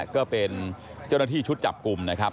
ก็เป็นเจ้าหน้าที่ชุดจับกลุ่มนะครับ